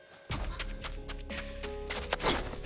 あっ。